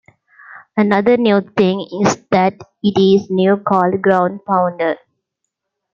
Another new thing is that it is now called Ground Pounder.